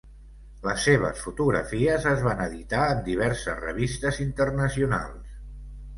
Les seves fotografies es van editar en diverses revistes internacionals.